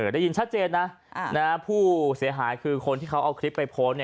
ได้ยินชัดเจนนะผู้เสียหายคือคนที่เขาเอาคลิปไปโพสต์